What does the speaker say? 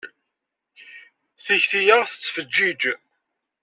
Takti-ya tettfeǧǧiǧ!